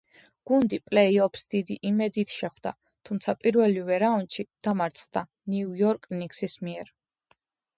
გუნდი პლეი-ოფს დიდი იმედებით შეხვდა, თუმცა პირველივე რაუნდში დამარცხდა ნიუ-იორკ ნიქსის მიერ.